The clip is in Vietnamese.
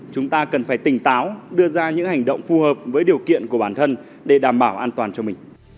chúng ta cần phải tỉnh táo đưa ra những hành động phù hợp với điều kiện của bản thân để đảm bảo an toàn cho mình